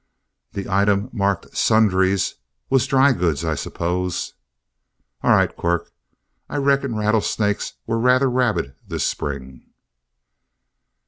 This item marked 'sundries' was DRY goods, I suppose? All right, Quirk; I reckon rattlesnakes were rather rabid this spring."